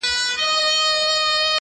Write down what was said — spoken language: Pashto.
• د زلفو بڼ كي د دنيا خاوند دی.